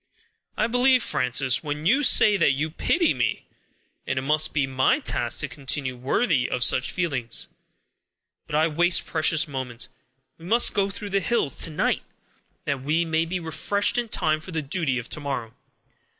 I believe you, Frances, when you say that you pity me, and it must be my task to continue worthy of such feelings. But I waste the precious moments; we must go through the hills to night, that we may be refreshed in time for the duty of to morrow.